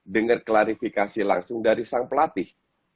dengar klarifikasi langsung dari sang pelatih